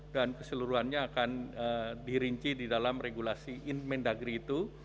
dan keseluruhannya akan dirinci di dalam regulasi mendagri itu